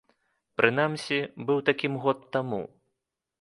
Прынамсі, быў такім год таму.